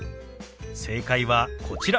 正解はこちら。